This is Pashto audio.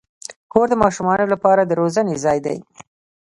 کور د ماشومانو لپاره د روزنې ځای دی.